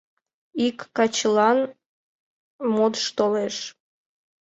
Ик качылан модыш толеш.